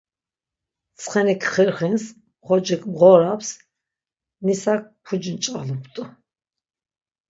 Tsxenik xirxins, xocik mğoraps, nisak puci nç̆valupt̆u.